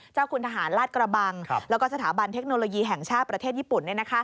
เจ้าคุณทหารลาดกระบังแล้วก็สถาบันเทคโนโลยีแห่งชาติประเทศญี่ปุ่น